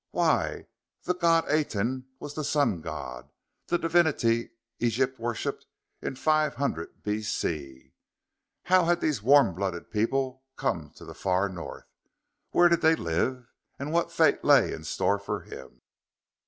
Why, the god Aten was the Sun God! the divinity Egypt worshipped in five hundred B.C.? How had these warm blooded people come to the far north? Where did they live? And what fate lay in store for him?